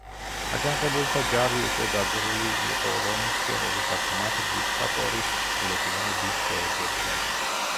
აჯანყებულთა ჯარი უკვე დაძრული იყო რომისკენ, როდესაც მათ დიქტატორის ლეგიონები შეეგებნენ.